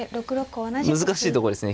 難しいとこですね。